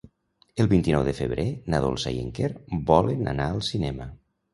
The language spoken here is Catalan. El vint-i-nou de febrer na Dolça i en Quer volen anar al cinema.